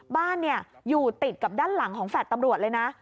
บ้านอยู่ติดกับด้านหลังของแฟลต์ตำรวจเลยนะ